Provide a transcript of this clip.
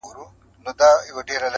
هغه له منځه ولاړ سي,